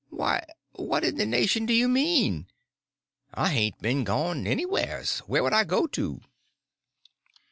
Why, what in the nation do you mean? I hain't been gone anywheres. Where would I go to?"